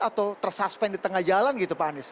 atau tersuspend di tengah jalan gitu pak anies